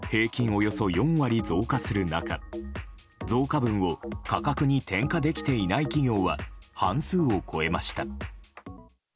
およそ４割増加する中増加分を価格に転嫁できていない企業は半数を超えました。